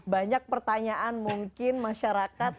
banyak pertanyaan mungkin masyarakat